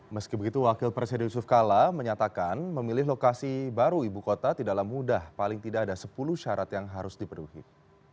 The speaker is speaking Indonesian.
meski begitu wakil presiden yusuf kala menyatakan memilih lokasi baru ibu kota tidaklah mudah paling tidak ada sepuluh syarat yang harus dipenuhi